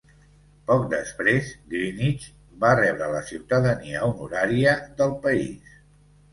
Poc després, Greenidge va rebre la ciutadania honoraria del país.